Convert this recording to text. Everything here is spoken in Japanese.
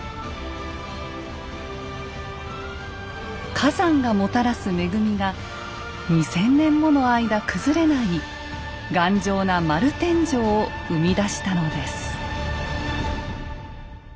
火山がもたらす恵みが２，０００年もの間崩れない頑丈な丸天井を生み出したのです。